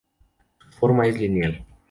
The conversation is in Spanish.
Su forma es lineal.